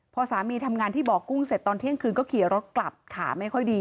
พอสามีทำงานที่บ่อกุ้งเสร็จตอนเที่ยงคืนก็ขี่รถกลับขาไม่ค่อยดี